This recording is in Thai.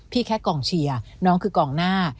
พี่แค่กล่องเชียร์น้องคือกล่องหน้า